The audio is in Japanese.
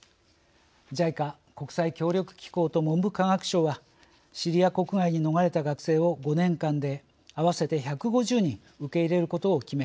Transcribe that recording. ＪＩＣＡ、国際協力機構と文部科学省はシリア国外に逃れた学生を５年間で合わせて１５０人受け入れることを決め